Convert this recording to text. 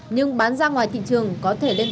nhưng bán ra ngoài thị trường có thể không